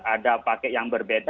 ada pakai yang berbeda